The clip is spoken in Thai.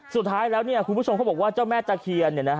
สุดท้ายแล้วคุณผู้ชมเขาบอกว่าเจ้าแม่ตะเคียน